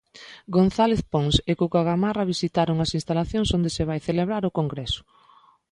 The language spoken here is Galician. González Pons e Cuca Gamarra visitaron as instalacións onde se vai celebrar o congreso.